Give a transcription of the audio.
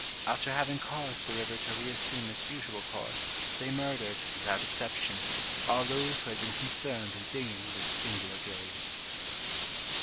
After having caused the river to reassume its usual course, they murdered, without exception, all those who had been concerned in digging this singular grave.